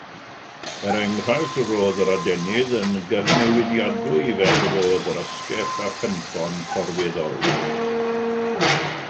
Er enghraifft roedd yr adenydd yn gyfnewidadwy fel roedd yr asgell a chynffon llorweddol.